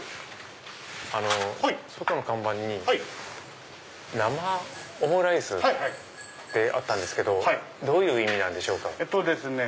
あの外の看板に生オムライスってあったんですけどどういう意味なんでしょうか？